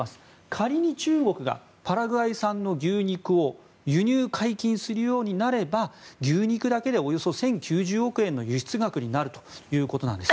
仮に中国がパラグアイ産の牛肉を輸入解禁するようになれば牛肉だけでおよそ１０９０億円の輸出額になるということです。